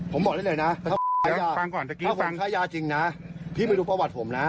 ผมบอกได้เลยนะถ้าฟังค่ายาจริงนะพี่ไปดูประวัติผมนะ